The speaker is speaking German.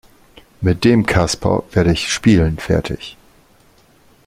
Mit dem Kasper werde ich spielend fertig.